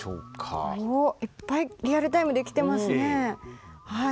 いっぱいリアルタイムできていますね。